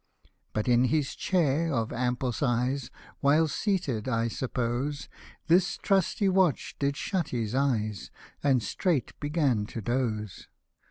But in his chair of ample size While seated, I suppose, This trusty watch did shut his eyes, And straight began to doze.